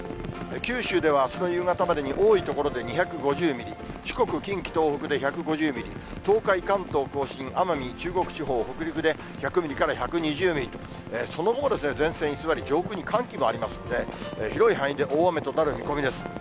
九州ではあすの夕方までに多い所で２５０ミリ、四国、近畿、東北で１５０ミリ、東海、関東甲信、奄美、中国地方、北陸で１００ミリから１２０ミリと、その後も前線、居座り、上空に寒気もありますんで、広い範囲で大雨となる見込みです。